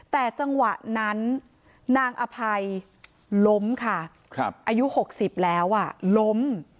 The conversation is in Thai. แต่จังหวะนั้นนางอภัยล้มค่ะครับอายุหกสิบแล้วอ่ะล้ม